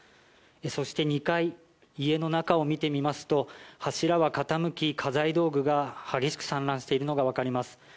そして、２階家の中を見てみますと柱は傾き、家財道具が激しく散乱しているのが分かります。